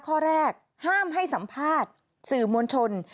ข้อแรกห้ามให้สัมภาษณ์สื่อมวลชน